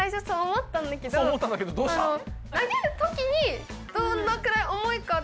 そう思ったんだけどどうした？